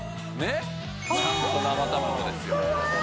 っちゃんと生卵ですよ